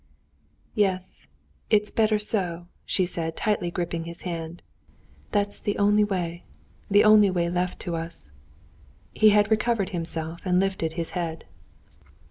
"Yes, it's better so," she said, tightly gripping his hand. "That's the only way, the only way left us." He had recovered himself, and lifted his head.